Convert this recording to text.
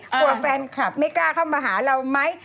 กลัวแฟนคลับไม่กล้าเข้ามาหาเราไหม